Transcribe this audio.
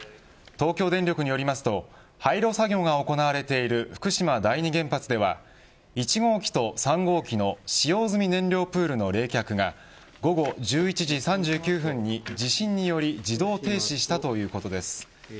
東京電力によりますと廃炉作業が行われている福島第二原発では１号機と３号機の使用済み燃料プールの冷却が午後１１時３９分に地震により自動停止したということです。